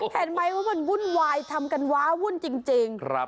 เห็นไหมว่ามันวุ่นวายทำกันว้าวุ่นจริง